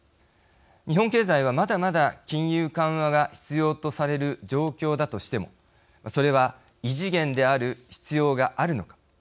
日本経済は、まだまだ金融緩和が必要とされる状況だとしてもそれは異次元である必要があるのか。